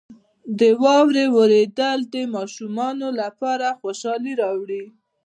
• د واورې اورېدل د ماشومانو لپاره خوشحالي راولي.